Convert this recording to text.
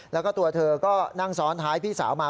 แล้วก็ตัวเธอก็นั่งซ้อนท้ายพี่สาวมา